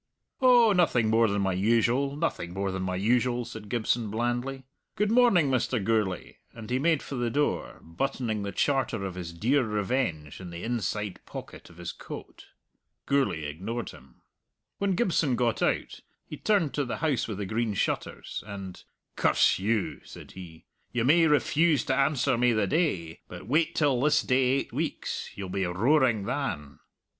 "Oh, nothing more than my usual, nothing more than my usual," said Gibson blandly. "Good morning, Mr. Gourlay," and he made for the door, buttoning the charter of his dear revenge in the inside pocket of his coat. Gourlay ignored him. When Gibson got out he turned to the House with the Green Shutters, and "Curse you!" said he; "you may refuse to answer me the day, but wait till this day eight weeks. You'll be roaring than."